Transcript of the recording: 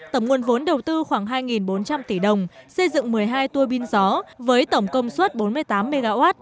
tổng nguồn vốn đầu tư khoảng hai bốn trăm linh tỷ đồng xây dựng một mươi hai tuôi bin gió với tổng công suất bốn mươi tám mw